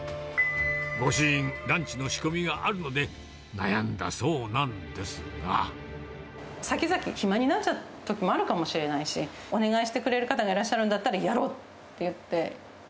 ご主人、ランチの仕込みがあるの先々、暇になっちゃうときもあるかもしれないし、お願いしてくれる方がいらっしゃるんだったら、やろうって言って。